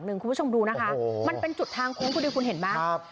คุณผู้ชมดูนะคะมันเป็นจุดทางโค้งคุณดิวคุณเห็นไหม